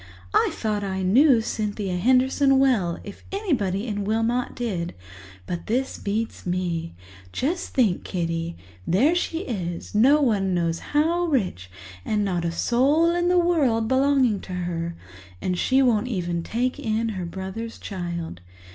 I thought I knew Cynthia Henderson well, if anybody in Wilmot did, but this beats me. Just think, Kitty—there she is, no one knows how rich, and not a soul in the world belonging to her, and she won't even take in her brother's child.